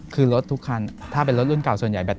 คือรถทุกคันถ้าเป็นรถรุ่นเก่าส่วนใหญ่แบบ